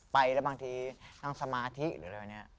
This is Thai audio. บางทีนั่งสมาธิหรืออะไรแบบนี้